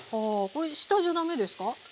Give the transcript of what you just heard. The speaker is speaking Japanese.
これ下じゃ駄目ですか？